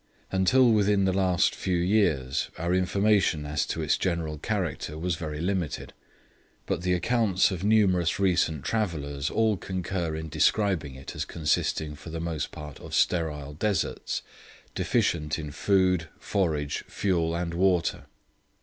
Until within the last few years our information as to its general character was very limited; but the accounts of numerous recent travellers all concur in describing it as consisting for the most part of sterile deserts, deficient in food, forage, fuel and water.